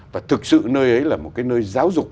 và thực sự nơi ấy là một cái nơi giáo dục